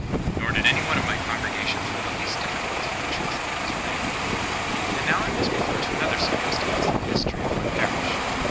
Nor did any one of my congregation throw the least difficulty in the churchwarden's way.—And now I must refer to another circumstance in the history of my parish.